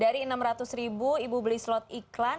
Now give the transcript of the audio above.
dari enam ratus ribu ibu beli slot iklan